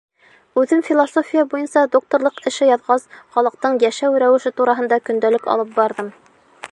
Үҙем философия буйынса докторлыҡ эше яҙғас, халыҡтың йәшәү рәүеше тураһында көндәлек алып барҙым.